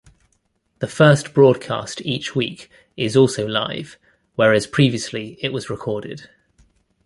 The first broadcast each week is also live, whereas previously it was recorded.